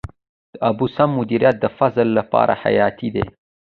د اوبو سم مدیریت د فصل لپاره حیاتي دی.